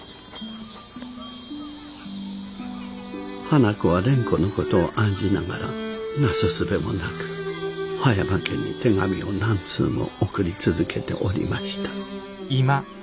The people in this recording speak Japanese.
花子は蓮子の事を案じながらなすすべもなく葉山家に手紙を何通も送り続けておりました。